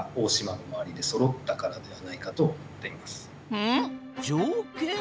うん？条件？